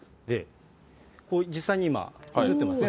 これ、実際に今、映ってますね。